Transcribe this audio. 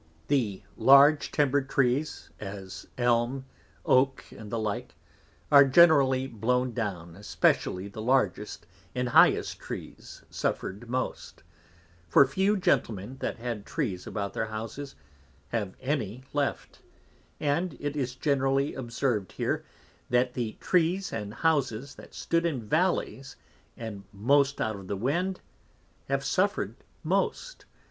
The large Timber Trees, as Elm, Oak, and the like, are generally blown down, especially the largest and highest Trees suffered most; for few Gentlemen that had Trees about their Houses have any left; and it is generally observ'd here, that the Trees and Houses that stood in Valleys, and most out of the Wind, have suffered most.